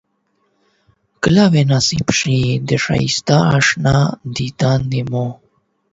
کله به نصيب شي د ښائسته اشنا ديدن زما